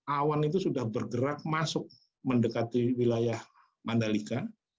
awan itu sudah bergerak masuk mendekati wilayah mandalika